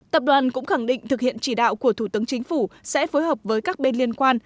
tập đoàn cũng khẳng định thực hiện chỉ đạo của thủ tướng chính phủ sẽ phối hợp với các bên liên quan